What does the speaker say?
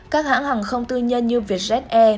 các hãng hàng không tư nhân như vietjet air